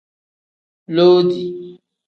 Loodi.